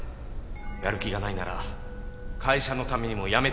やる気がないなら会社のためにも辞めてほしい。